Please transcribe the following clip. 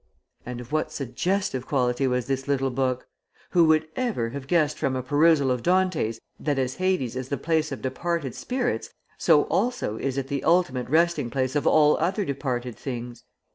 And of what suggestive quality was this little book. Who would ever have guessed from a perusal of Dante that as Hades is the place of departed spirits so also is it the ultimate resting place of all other departed things.